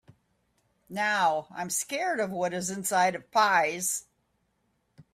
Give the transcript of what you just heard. Now, I’m scared of what is inside of pies.